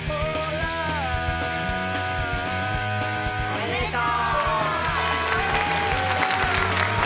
おめでとう！